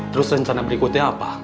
terus rencana berikutnya apa